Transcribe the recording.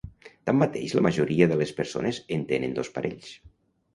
Tanmateix la majoria de les persones en tenen dos parells.